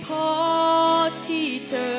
เพราะตัวฉันเพียงไม่อาทัม